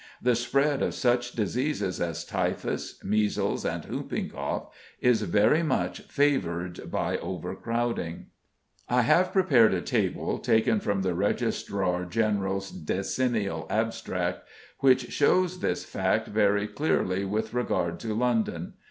The spread of such diseases as typhus, measles, and whooping cough is very much favoured by overcrowding. I have prepared a table, taken from the Registrar General's decennial abstract, which shows this fact very clearly with regard to London.